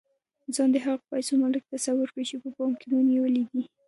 ځان د هغو پيسو مالک تصور کړئ چې په پام کې مو نيولې دي.